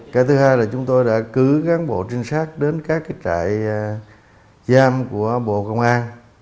cái thứ hai là chúng tôi đã cứu các bộ trinh sát đến các trại giam của bộ công an